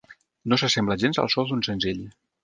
No s'assembla gens al so d'un senzill.